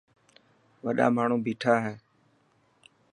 وڏا ماڻهو ٻيٺا هي.